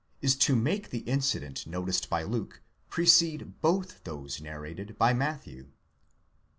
is to make the' incident noticed by Luke, precede both those narrated by Matthew.